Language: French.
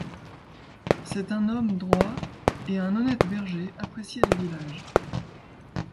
C'est un homme droit et un honnête berger apprécié du village.